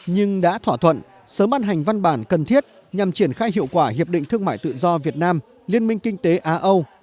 nhưng đã thỏa thuận sớm ban hành văn bản cần thiết nhằm triển khai hiệu quả hiệp định thương mại tự do việt nam liên minh kinh tế á âu